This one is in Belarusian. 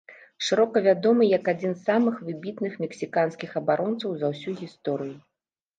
Шырока вядомы як адзін з самых выбітных мексіканскіх абаронцаў за ўсю гісторыю.